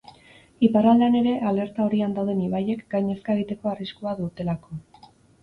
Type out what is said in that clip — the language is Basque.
Iparraldean ere alerta horian daude ibaiek gainezka egiteko arriskua dutelako.